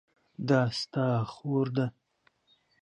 دا ستا خور ده؟